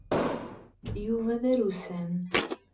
Yuba d arusan.